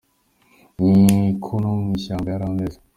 Ni ko no mw’ishyamba yari ameze.